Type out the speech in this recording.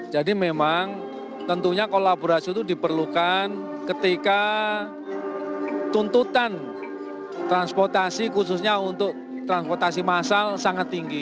jadi memang tentunya kolaborasi itu diperlukan ketika tuntutan transportasi khususnya untuk transportasi masal sangat tinggi